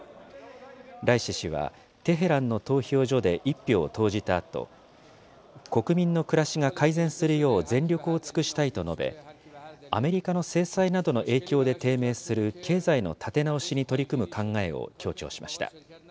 ライシ師は、テヘランの投票所で一票を投じたあと、国民の暮らしが改善するよう全力を尽くしたいと述べ、アメリカの制裁などの影響で低迷する経済の立て直しに取り組む考えを強調しました。